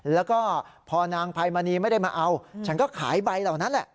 แล้วก็พอนางไพมณีไม่ได้มาเอาฉันก็ขายใบเหล่านั้นแหละ